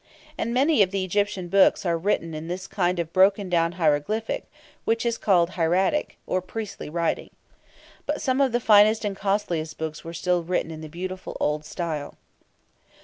And very many of the Egyptian books are written in this kind of broken down hieroglyphic, which is called "hieratic," or priestly writing. But some of the finest and costliest books were still written in the beautiful old style.